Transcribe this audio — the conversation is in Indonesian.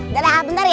udah lah bentar ya